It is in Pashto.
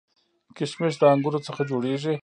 کشمش د انګورو څخه جوړیږي